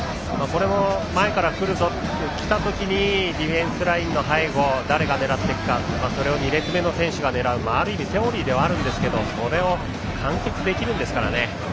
前からくるぞときたときにディフェンスラインの背後誰が狙っていくか２列目の選手が狙うのはある意味セオリーではあるんですけどそれを完結できるんですからね。